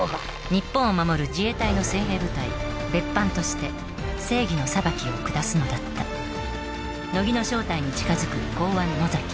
日本を守る自衛隊の精鋭部隊別班として正義の裁きを下すのだった乃木の正体に近づく公安・野崎